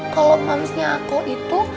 kalau pamsnya aku itu